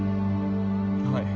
はい。